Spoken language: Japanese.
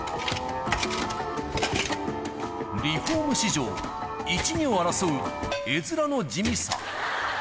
リフォーム史上１、２を争う絵面の地味さ。